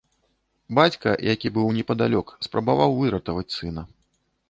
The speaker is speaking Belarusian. Бацька, які быў непадалёк, спрабаваў выратаваць сына.